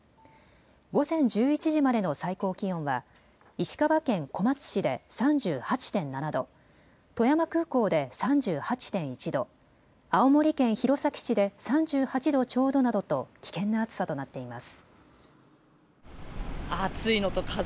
午前１１時までの最高気温は石川県小松市で３８．７度、富山空港で３８．１度、青森県弘前市で３８度ちょうどなどと危険な暑さとなっています。